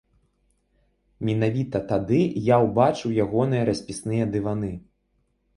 Менавіта тады я ўбачыў ягоныя распісныя дываны.